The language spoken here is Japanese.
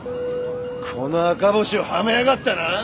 この赤星をはめやがったな！？